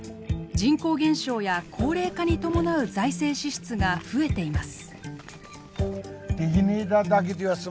人口減少や高齢化に伴う財政支出が増えています。